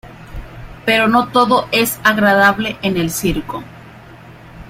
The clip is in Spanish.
Pero no todo es agradable en el circo.